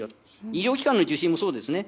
医療機関の受診もそうですね。